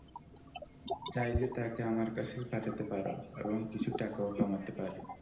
চাইলে তাকে আমাদের কাছে পাঠাতে পারে এবং কিছু টাকাও কামাতে পারে।